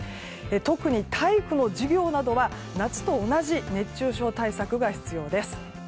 特に体育の授業などは夏と同じ熱中症対策が必要です。